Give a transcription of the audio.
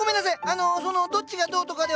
あのそのどっちがどうとかではなくて。